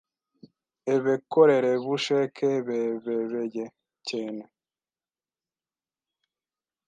ebekorerebusheke bebebeye cyene